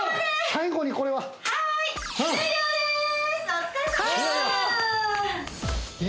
最後にこれははい！